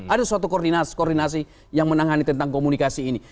ada suatu koordinasi yang menangani tentang komunikasi ini